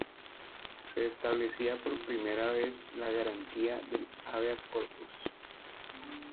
Se establecía por primera vez la garantía del hábeas corpus.